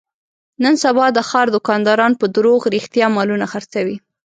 نن سبا د ښاردوکانداران په دروغ رښتیا مالونه خرڅوي.